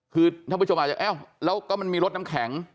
คือท่านผู้ชมอาจจะอ้าวแล้วก็มันมีรถน้ำแข็ง